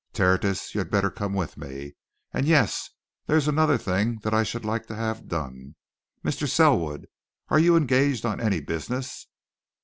Tertius, you had better come with me. And yes, there is another thing that I should like to have done. Mr. Selwood are you engaged on any business?"